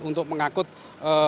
untuk mengakut mobilnya